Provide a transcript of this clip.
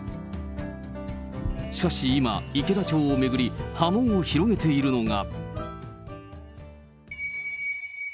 しかし今、池田町を巡り、波紋を広げているのが。